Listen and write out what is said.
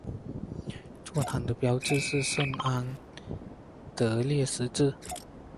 座堂的标志是圣安德烈十字。